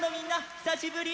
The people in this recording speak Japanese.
ひさしぶり！